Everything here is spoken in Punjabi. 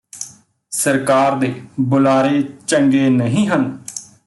ਸਰਕਾਰ ਦੇ ਬੁਲਾਰੇ ਚੰਗੇ ਨਹੀਂ ਹਨ